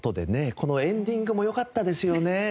このエンディングもよかったですよね。